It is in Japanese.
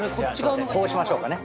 こうしましょうかね。